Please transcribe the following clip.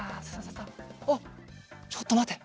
あっちょっとまて。